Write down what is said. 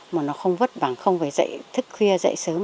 mà nó không vất vảng không phải dậy thức khuya dậy sớm